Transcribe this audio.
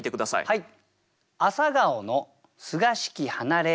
はい。